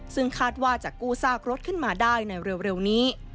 ซึ่งคาดว่าจะกู้ซากรถขึ้นมาได้ในเร็วนี้